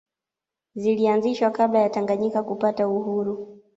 Zilianzishwa kabla ya Tanganyika kupata uhuru